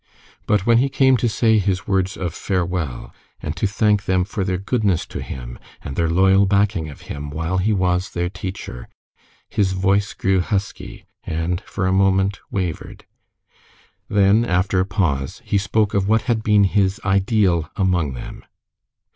But when he came to say his words of farewell, and to thank them for their goodness to him, and their loyal backing of him while he was their teacher, his voice grew husky, and for a moment wavered. Then, after a pause, he spoke of what had been his ideal among them.